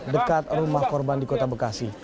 dekat rumah korban di kota bekasi